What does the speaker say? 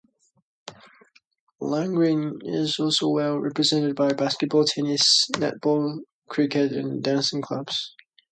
Langwarrin is also well represented by basketball, tennis, netball, cricket and dancing clubs.